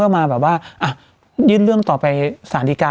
แต่ถ้ากลับก็คือคุณก็ต้องมารับทว้า